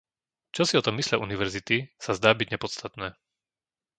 Čo si o tom myslia univerzity, sa zdá byť nepodstatné.